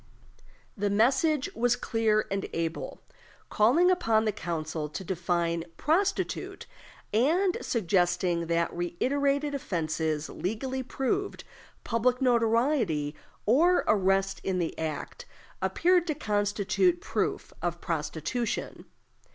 The message was clear and able, calling upon the council to define "prostitute," and suggesting that "reiterated offenses legally proved, public notoriety, or arrest in the act," appeared to constitute proof of prostitution.